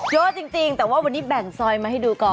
เยอะจริงแต่ว่าวันนี้แบ่งซอยมาให้ดูก่อน